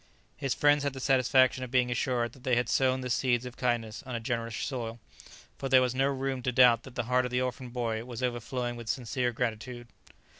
His friends had the satisfaction of being assured that they had sown the seeds of kindness on a generous soil, for there was no room to doubt that the heart of the orphan boy was overflowing with sincere gratitude.